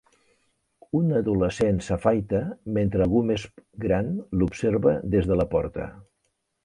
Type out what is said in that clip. Un adolescent s'afaita mentre algú més gran l'observa des de la porta.